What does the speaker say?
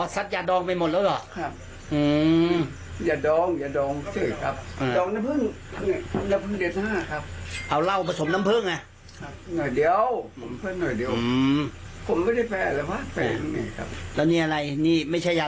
อ๋อซัดยาดองไปหมดแล้วหรอครับอืมยาดองยาดองเจ๋ยครับ